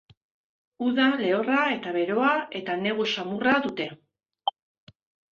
Uda lehorra eta beroa eta negu xamurra dute.